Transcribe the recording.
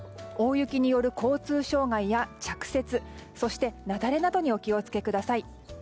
大雪による交通障害や着雪そして、雪崩などにお気を付けください。